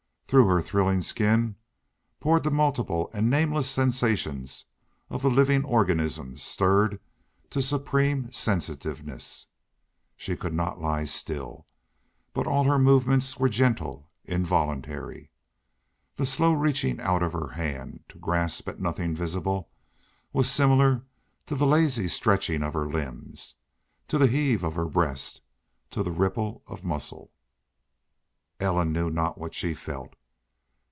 Through her thrilling skin poured the multiple and nameless sensations of the living organism stirred to supreme sensitiveness. She could not lie still, but all her movements were gentle, involuntary. The slow reaching out of her hand, to grasp at nothing visible, was similar to the lazy stretching of her limbs, to the heave of her breast, to the ripple of muscle. Ellen knew not what she felt.